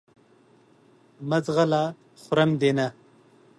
مه ځغله خورم دې نه !